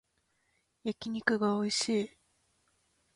焼き肉がおいしい